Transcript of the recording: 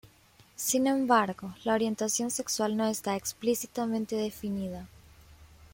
Sin embargo, la orientación sexual no está explícitamente definida.